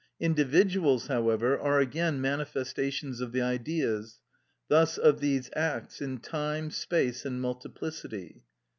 Individuals, however, are again manifestations of the Ideas, thus of these acts, in time, space, and multiplicity.